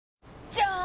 じゃーん！